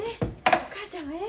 お母ちゃんはええ。